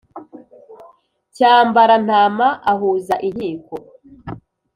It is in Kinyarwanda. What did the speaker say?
cyambarantama ahuza inkiko